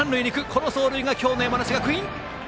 この走塁が今日の山梨学院。